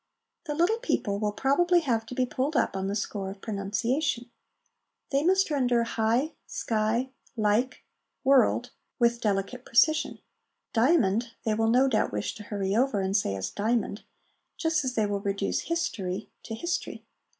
The little people will probably have to be pulled up on the score of pro nunciation. They must render ' high,' ' sky,' ' like,' 1 world,' with delicate precision ; c diamond,' they will no doubt wish to hurry over, and say as ' di'mond,' just as they will reduce 'history* to 'hist'ry.'